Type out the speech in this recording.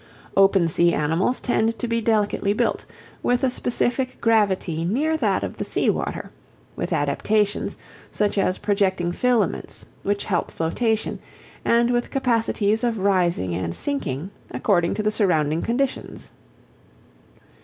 Open sea animals tend to be delicately built, with a specific gravity near that of the sea water, with adaptations, such as projecting filaments, which help flotation, and with capacities of rising and sinking according to the surrounding conditions.